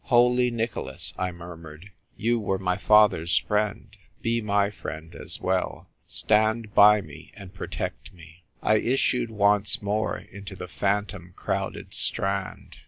" Holy Nicholas," I murmured, " you were my father's friend ; be my friend as well ! Stand by me, and protect me !" I issued once more into the phantom crowded Strand.